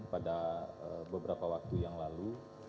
pada beberapa waktu yang lalu